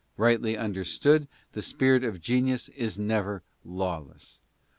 Rightly understood the spirit of genius is never lawless.